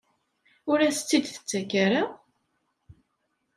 Ur as-tt-id-tettak ara?